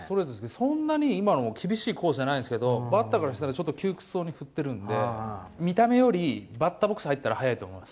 そんなに今の厳しいコースじゃないんですけどバッターからしたら窮屈そうに振っているので見た目よりバッターボックスに入ったら速いと思います。